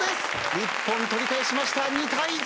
１本取り返しました２対１。